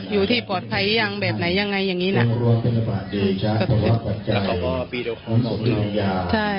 อยู่ที่ปลอดภัยยังแบบไหนยังไงอย่างนี้นะ